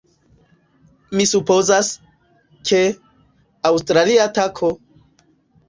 Mi supozas, ke... aŭstralia tako!